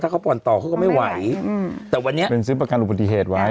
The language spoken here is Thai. เขาผ่อนต่อเขาก็ไม่ไหวแต่วันนี้เป็นซื้อประกันอุบัติเหตุไว้